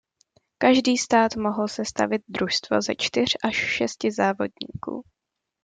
Každý stát mohl sestavit družstvo ze čtyř až šesti závodníků.